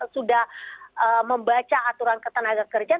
sudah membaca aturan ketenaga kerjaan